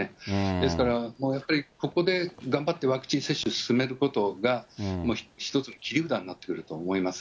ですから、やっぱり、ここで頑張ってワクチン接種を進めることが、一つの切り札になってくると思います。